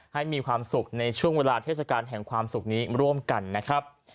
ให้มีความสุขในช่วงเวลาเทศกาลแห่งความสุขนี้ร่วมกันนะครับ